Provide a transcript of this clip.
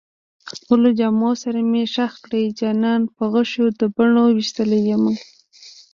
خپلو جامو سره مې خښ کړئ جانان په غشو د بڼو ويشتلی يمه